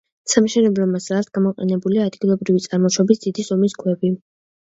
სამშენებლო მასალად გამოყენებულია ადგილობრივი წარმოშობის, დიდი ზომის ქვები.